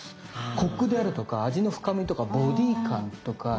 コクであるとか味の深みとかボディー感とかのどごしとか。